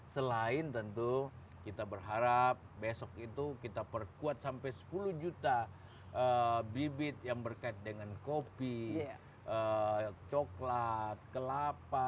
selain tentu kita berharap besok itu kita perkuat sampai sepuluh juta bibit yang berkait dengan kopi coklat kelapa